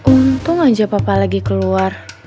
untung aja papa lagi keluar